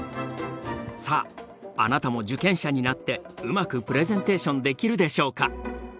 さああなたも受験者になってうまくプレゼンテーションできるでしょうか？